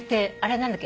何だっけ？